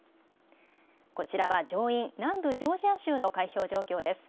こちらは上院、南部ジョージア州の開票状況です。